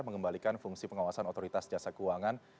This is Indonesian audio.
mengembalikan fungsi pengawasan otoritas jasa keuangan